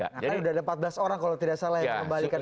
nah kan sudah ada empat belas orang kalau tidak salah yang mengembalikan